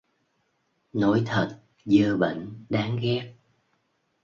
Nói thật dơ bẩn đáng ghét